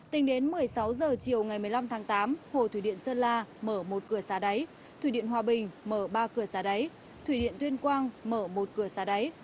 tính đến một mươi sáu h chiều ngày một mươi năm tháng tám hồ thủy điện sơn la mở một cửa xà đáy thủy điện hòa bình mở ba cửa xà đáy thủy điện tuyên quang mở một cửa xa đáy